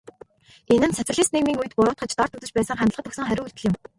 Энэ нь социалист нийгмийн үед буруутгаж, дорд үзэж байсан хандлагад өгсөн хариу үйлдэл юм.